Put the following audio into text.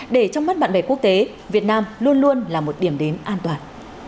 để trong mắt bạn bè quốc tế việt nam luôn luôn là một điểm đến an toàn